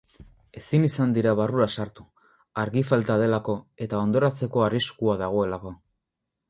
Ezin izan dira barrura sartu, argi falta delako eta hondoratzeko arriskua dagoelako.